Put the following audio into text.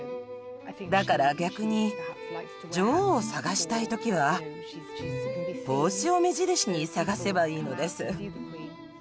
だから逆に女王を捜したい時は帽子を目印に捜せばいいのです。